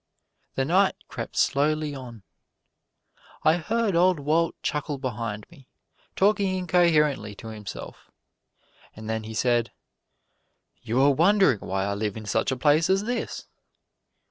The night crept slowly on. I heard Old Walt chuckle behind me, talking incoherently to himself, and then he said, "You are wondering why I live in such a place as this?"